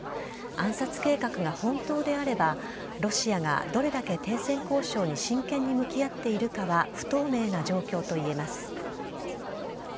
暗殺計画が本当であれば、ロシアがどれだけ停戦交渉に真剣に向き合っているかは不透明な状況といえます。